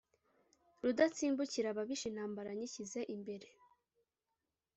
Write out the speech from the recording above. rudatsimbukirababisha intambara nyishyize imbere